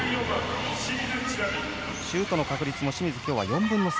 シュートの確率も清水、今日は４分の３。